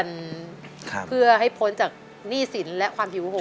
อเรนนี่เพื่อให้พ้นจากหนี้สินและความหิวโหง